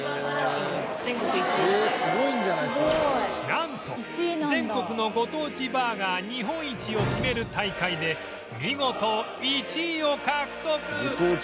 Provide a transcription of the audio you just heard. なんと全国のご当地バーガー日本一を決める大会で見事１位を獲得